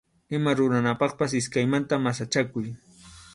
Ima ruranapaqpas iskaymanta masachakuy.